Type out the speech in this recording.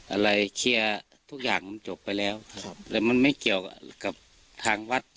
อะไรเคลียร์ทุกอย่างมันจบไปแล้วครับแล้วมันไม่เกี่ยวกับทางวัด